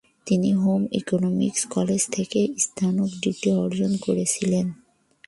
তিনি home economics college থেকে স্নাতক ডিগ্রি অর্জন করেছিলেন।